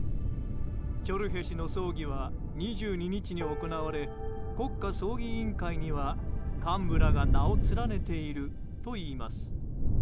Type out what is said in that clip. チョルヘ氏の葬儀は２２日に行われ国家葬儀委員会には幹部らが名を連ねているといいます。